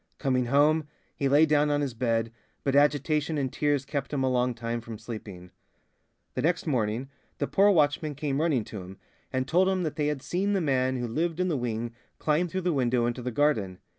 Coming home, he lay down on his bed, but agitation and tears kept him a long time from sleeping... The next morning the poor watchman came running to him and told him that they had seen the man who lived in the wing climb through the window into the garden.